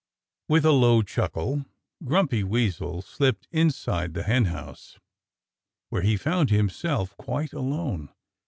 With a low chuckle Grumpy Weasel slipped inside the henhouse, where he found himself quite alone.